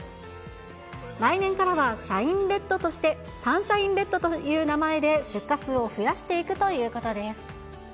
来年からはサンシャインレッドという名前で出荷数を増やしていくということです。